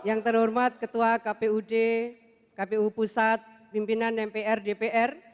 yang terhormat ketua kpud kpu pusat pimpinan mpr dpr